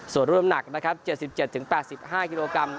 ส่วนรุ่นหนักนะครับ๗๗๘๕กิโลกรัม